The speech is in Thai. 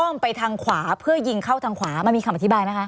องไปทางขวาเพื่อยิงเข้าทางขวามันมีคำอธิบายไหมคะ